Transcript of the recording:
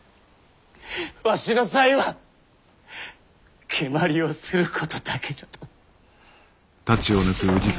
わしの才は蹴鞠をすることだけじゃと！